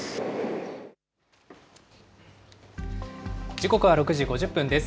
時刻は６時５０分です。